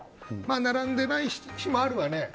並んでない日もあるわね。